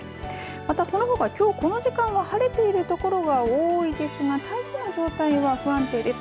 またそのほか、きょうこの時間は晴れているところが多いですが大気の状態は不安定です。